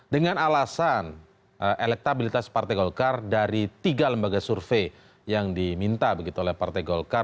dengan alasan elektabilitas partai golkar dari tiga lembaga survei yang diminta begitu oleh partai golkar